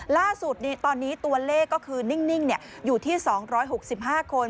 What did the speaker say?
ล่าสุดตอนนี้ตัวเลขก็คือนิ่งอยู่ที่๒๖๕คน